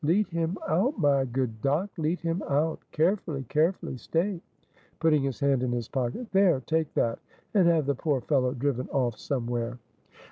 Lead him out, my good Doc, lead him out. Carefully, carefully! stay" putting his hand in his pocket "there, take that, and have the poor fellow driven off somewhere."